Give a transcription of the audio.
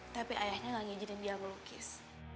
tapi ayahnya gak ngirim dia melukis